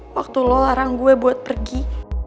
waktu lo larang gue buat pergi